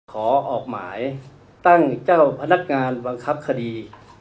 ขอออกหมายตั้งเจ้าพนักงานบังคับคดี